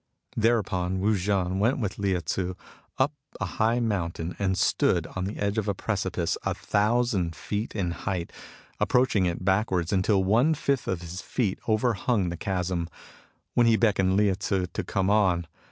Thereupon Wu J^n went with Lieh Tzu up a high mountain, and stood on the edge of a pre cipice a thousand feet in height, approaching it backwards until one fifth of his feet overhung the chasm, when he beckoned to Lieh Tzu to come on.